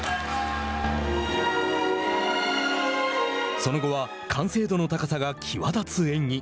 その後は完成度の高さが際立つ演技。